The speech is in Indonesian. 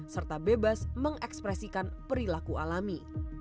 serta bebas mengekspresikan perilaku alami